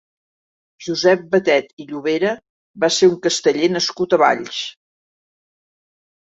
Josep Batet i Llobera va ser un casteller nascut a Valls.